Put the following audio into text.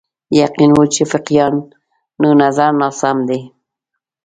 یقین و چې فقیهانو نظر ناسم دی